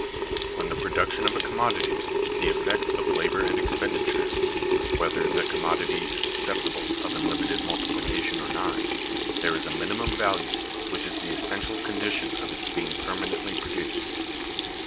When the production of a commodity is the effect of labor and expenditure, whether the commodity is susceptible of unlimited multiplication or not, there is a minimum value which is the essential condition of its being permanently produced.